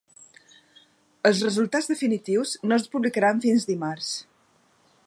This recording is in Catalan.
Els resultats definitius no es publicaran fins dimarts.